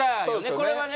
これはね